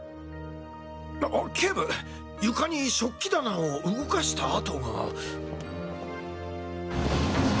警部床に食器棚を動かした跡が。